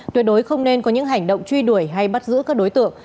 tuyệt đối không nên có những hành động truy đuổi hay bắt giữ các đối tượng